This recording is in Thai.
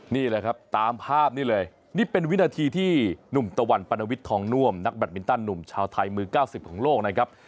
นี่แหละครับตามภาพนี้เลยนี่เป็นวินาทีที่หนุ่มตะวันปรณวิทย์ทองน่วมนักแบตมินตันหนุ่มชาวไทยมือ๙๐ของโลกนะครับ